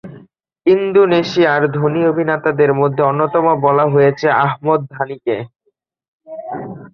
ইন্দোনেশিয়ার ধনী অভিনেতাদের মধ্যে অন্যতম বলা হয়েছে আহমদ ধানিকে।